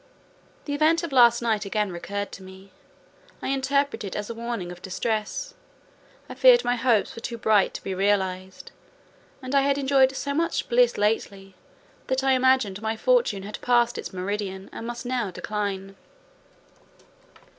The event of last night again recurred to me. I interpreted it as a warning of disaster. I feared my hopes were too bright to be realised; and I had enjoyed so much bliss lately that I imagined my fortune had passed its meridian, and must now decline.